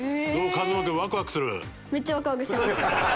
一翔君ワクワクする？